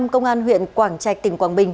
công an huyện quảng trạch tỉnh quảng bình